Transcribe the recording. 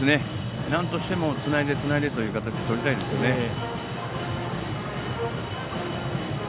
なんとしてもつないで、つないでという形をとりたいですよね。